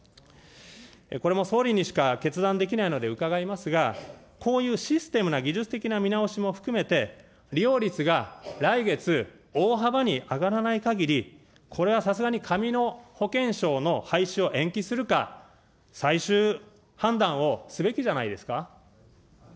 これも総理にしか決断できないので伺いますが、こういうシステムな、技術的な見直しも含めて、利用率が来月、大幅に上がらないかぎり、これはさすがに紙の保険証の廃止を延期するか、最終判断をすべきじゃないですか。